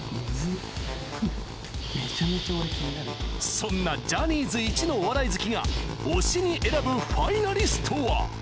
そんなジャニーズいちのお笑い好きが推しに選ぶファイナリストは？